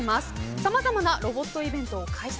さまざまなロボットイベントを開催。